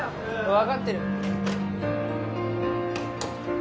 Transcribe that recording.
分かってる